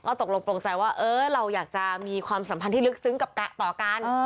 ตกลงโปรงใจว่าเราอยากจะมีความสัมพันธ์ที่ลึกซึ้งกับต่อกัน